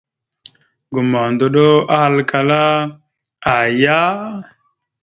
Gomohəndoɗo ahalkala : aaya ?